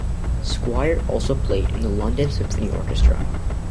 Squire also played in the London Symphony Orchestra.